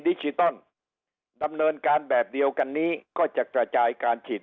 ดิจิตอลดำเนินการแบบเดียวกันนี้ก็จะกระจายการฉีด